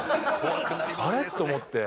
あれ？と思って。